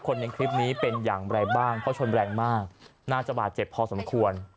ในคลิปนี้เป็นอย่างไรบ้างเพราะชนแรงมากน่าจะบาดเจ็บพอสมควร